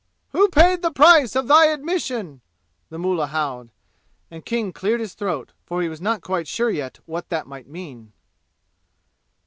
"Who paid the price of thy admission?" the mullah howled, and King cleared his throat, for he was not quite sure yet what that might mean.